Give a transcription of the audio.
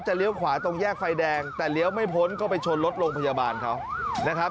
เลี้ยวขวาตรงแยกไฟแดงแต่เลี้ยวไม่พ้นก็ไปชนรถโรงพยาบาลเขานะครับ